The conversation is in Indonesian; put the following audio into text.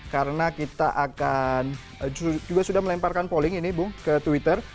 karena kita akan juga sudah melemparkan polling ini bu ke twitter